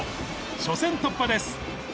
初戦突破です。